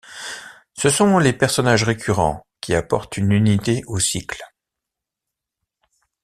Ce sont les personnages récurrents qui apportent une unité au cycle.